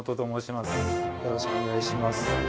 よろしくお願いします。